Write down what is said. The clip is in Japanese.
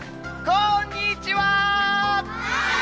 こんにちは。